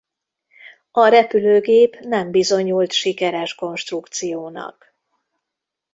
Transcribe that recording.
A repülőgép nem bizonyult sikeres konstrukciónak.